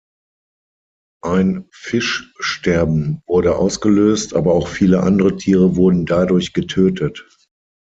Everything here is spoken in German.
Ein Fischsterben wurde ausgelöst, aber auch viele andere Tiere wurden dadurch getötet.